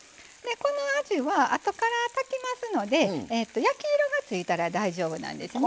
このあじはあとから炊きますので焼き色がついたら大丈夫なんですね。